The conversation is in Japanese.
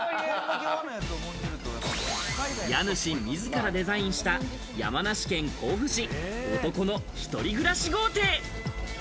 家主自らデザインした山梨県甲府市、男の一人暮らし豪邸。